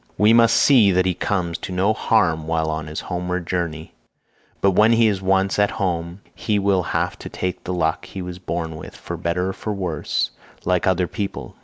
We must see that he comes to no harm while on his homeward journey, but when he is once at home he will have to take the luck he was born with for better or worse like other people.